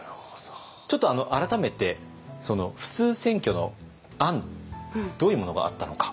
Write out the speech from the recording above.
ちょっと改めて普通選挙の案どういうものがあったのか。